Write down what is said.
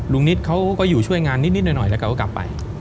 นิดเขาก็อยู่ช่วยงานนิดหน่อยแล้วเขาก็กลับไป